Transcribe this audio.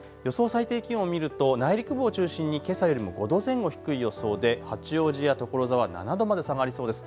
最低気温を見ると内陸部を中心にけさよりも５度前後低い予想で八王子や所沢７度まで下がりそうです。